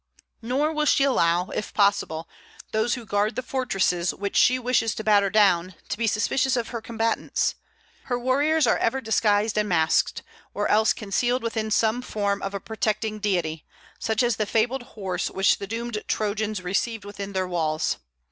Nor will she allow, if possible, those who guard the fortresses which she wishes to batter down to be suspicious of her combatants. Her warriors are ever disguised and masked, or else concealed within some form of a protecting deity, such as the fabled horse which the doomed Trojans received within their walls.